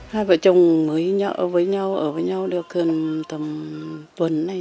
hai vợ chồng mới ở với nhau được thường tầm tuần này